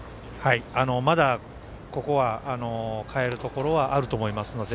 まだ、ここは代えるところあると思いますので。